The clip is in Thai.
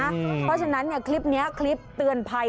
เพราะฉะนั้นคลิปนี้คลิปเตือนภัย